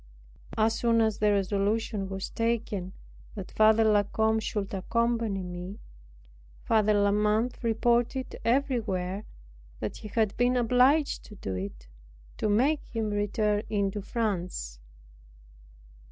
As soon as the resolution was taken that Father La Combe should accompany me, Father La Mothe reported everywhere "that he had been obliged to do it, to make him return into France."